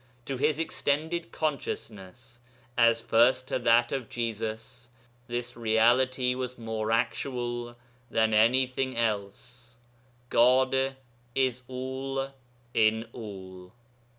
To his extended consciousness, as first to that of Jesus, this Reality was more actual than anything else "God is all in all."'